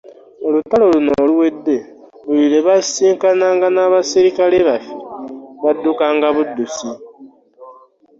Mu lutalo luno oluwedde buli lwe baasisinkananga n'abaserikale baffe baddukanga buddusi.